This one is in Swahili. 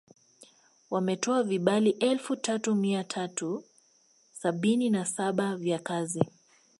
Wametoa vibali elfu tatu mia tatu sabini na saba vya kazi